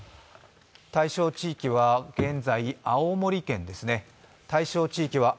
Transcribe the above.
対象地域は現在、青森県です。